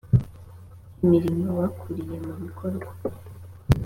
imirimo bakuriye mu bikorwa